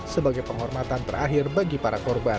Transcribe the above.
sebagai penghormatan terakhir bagi para korban